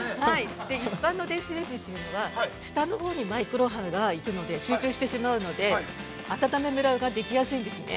一般の電子レンジというのは下のほうにマイクロ波が行くので、集中してしまうので、温めムラができやすいんですね。